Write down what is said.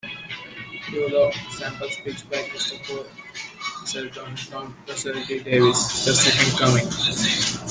"You Lot" samples speech by Christopher Eccleston from Russell T Davies' "The Second Coming".